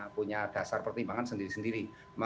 punya dasar pertimbangan sendiri sendiri